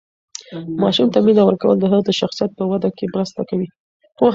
ماشوم ته مینه ورکول د هغه د شخصیت په وده کې مرسته کوي.